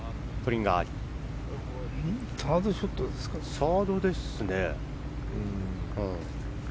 サードですね。